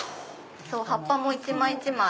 葉っぱも一枚一枚。